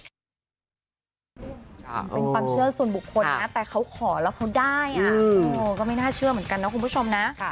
เป็นความเชื่อส่วนบุคคลนะแต่เขาขอแล้วเขาได้ก็ไม่น่าเชื่อเหมือนกันนะคุณผู้ชมนะ